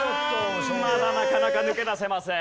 まだなかなか抜け出せません。